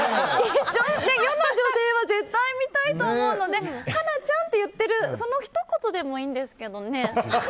世の女性は絶対見たいと思うのでハナちゃんって言ってるそのひと言でもいいんですけどね。